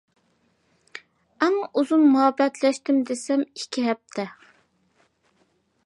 ئەڭ ئۇزۇن مۇھەببەتلەشتىم دېسەم ئىككى ھەپتە.